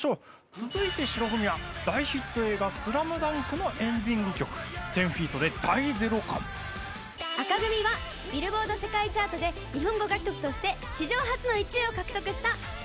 続いて白組は大ヒット映画『ＳＬＡＭＤＵＮＫ』のエンディング曲１０−ＦＥＥＴで『第ゼロ感』紅組はビルボード世界チャートで日本語楽曲として史上初の１位を獲得したＹＯＡＳＯＢＩの『アイドル』です。